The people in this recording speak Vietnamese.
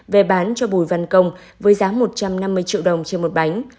về bán cho bùi văn công với giá một trăm năm mươi triệu đồng trên một bánh